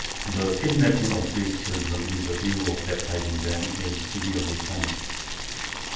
The kidnaping of Jewish children with the view of baptizing them is severely punished (§27).